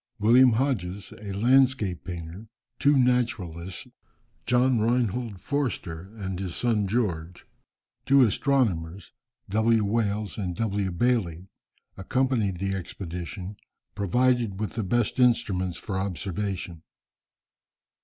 William Hodges, a landscape painter, two naturalists, John Reinhold Forster and his son George; two astronomers, W. Wales and W. Bayley, accompanied the expedition, provided with the best instruments for observation.